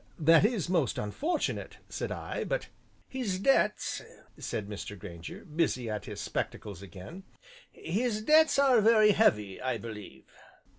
"That is most unfortunate," said I, "but " "His debts," said Mr. Grainger, busy at his spectacles again, "his debts are very heavy, I believe."